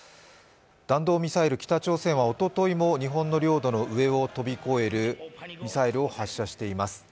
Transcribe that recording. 弾道ミサイル、北朝鮮はおとといも日本の領土の上を飛び越えるミサイルを発射しています。